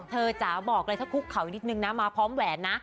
จ๋าบอกเลยถ้าคุกเขาอีกนิดนึงนะมาพร้อมแหวนนะ